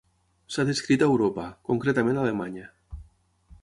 S'ha descrit a Europa, concretament a Alemanya.